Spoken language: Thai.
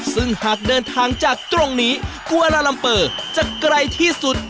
ซึ่งหากเดินทางจากตรงนี้กวาลาลัมเปอร์จะไกลที่สุด